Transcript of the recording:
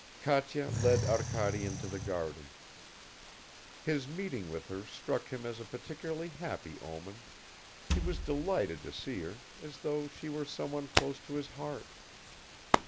Katya led Arkady into the garden. His meeting with her struck him as a particularly happy omen; he was delighted to see her, as though she were someone close to his heart.